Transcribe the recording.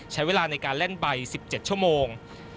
ใช้เวลาในการเล่นใบ๑๗ชั่วโมง